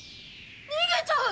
逃げちゃう！